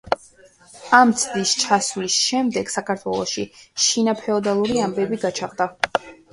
ამ ცდის ჩაშლის შემდეგ საქართველოში შინაფეოდალური ომები გაჩაღდა.